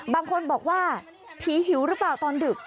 บางคนบอกว่าผีหิวหรือเปล่าตอนดึก